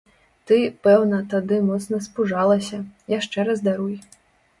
Ты, пэўна, тады моцна спужалася, яшчэ раз даруй!